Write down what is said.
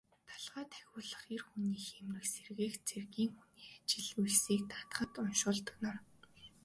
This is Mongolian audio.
Далха тахиулах нь эр хүний хийморийг сэргээх, цэргийн хүний ажил үйлсийг даатгахад уншуулдаг ном.